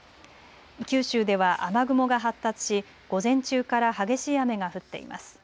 九州では雨雲が発達し午前中から激しい雨が降っています。